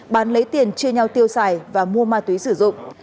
bán lấy tiền chia nhau tiêu xài và mua ma túy sử dụng